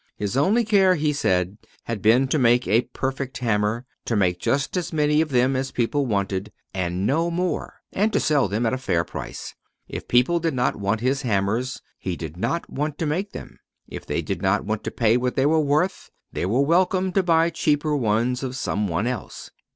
His only care, he said, had been to make a perfect hammer, to make just as many of them as people wanted, and no more, and to sell them at a fair price. If people did not want his hammers, he did not want to make them. If they did not want to pay what they were worth, they were welcome to buy cheaper ones of some one else.